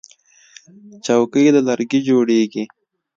چوکۍ له لرګي جوړیږي.